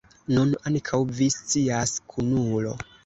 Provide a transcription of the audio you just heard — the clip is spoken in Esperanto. Nun ankaŭ vi scias, kunulo.